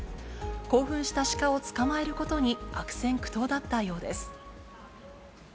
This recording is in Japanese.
興奮した鹿を捕まえることに悪戦苦闘だったようです。